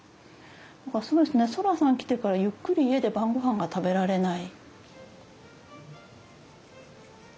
だからそうですねそらさん来てからゆっくり家で晩ごはんが食べられない。